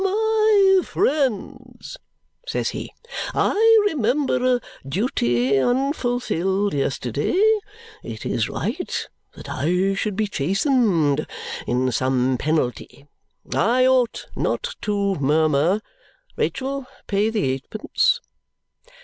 "My friends," says he, "I remember a duty unfulfilled yesterday. It is right that I should be chastened in some penalty. I ought not to murmur. Rachael, pay the eightpence!"